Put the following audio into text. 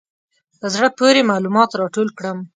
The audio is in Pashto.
په زړه پورې معلومات راټول کړم.